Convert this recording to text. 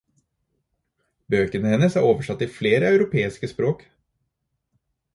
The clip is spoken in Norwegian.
Bøkene hennes er oversatt til flere europeiske språk.